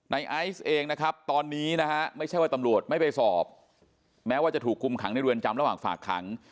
ไอซ์เองนะครับตอนนี้นะฮะไม่ใช่ว่าตำรวจไม่ไปสอบแม้ว่าจะถูกคุมขังในเรือนจำระหว่างฝากขัง